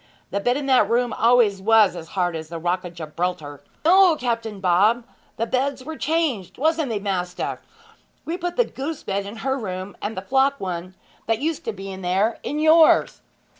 The bed in that room always was as hard as the Rock of Gibraltar!' 'No, Captain Bob! The beds were changed wasn't they maister? We put the goose bed in her room, and the flock one, that used to be there, in yours.'